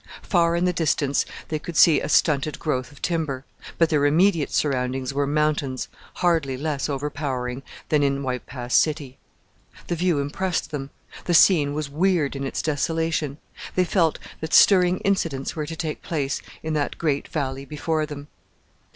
Far in the distance they could see a stunted growth of timber, but their immediate surroundings were mountains, hardly less overpowering than in White Pass City. The view impressed them the scene was weird in its desolation; they felt that stirring incidents were to take place in that great valley before them.